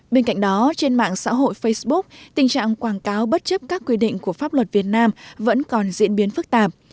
bên cạnh đó trên mạng xã hội facebook tình trạng quảng cáo bất chấp các quy định của pháp luật việt nam vẫn còn diễn biến phức tạp